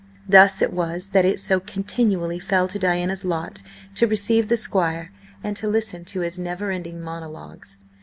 Thus it was that it so continually fell to Diana's lot to receive the Squire and to listen to his never ending monologues.